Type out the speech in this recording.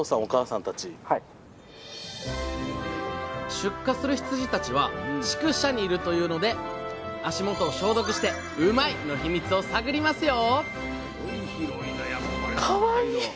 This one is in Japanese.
出荷する羊たちは畜舎にいるというので足元を消毒してうまいッ！のヒミツを探りますよ！